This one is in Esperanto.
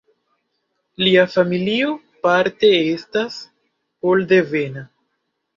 Lia familio parte estas pol-devena.